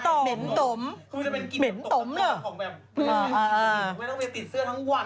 ใช่เพราะว่าเมื่อกลิ่นไปติดเสื้อทั้งวัน